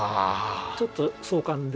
ちょっと壮観でしょ？